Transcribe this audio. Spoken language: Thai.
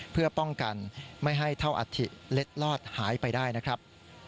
เพื่อป้องกันไม่ให้เท่าอัฐิเล็ดลอดหายไปได้นะครับ